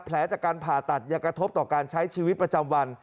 แผลจากการผ่าตัดยังกระทบต่อการใช้ชีวิตประจำวัน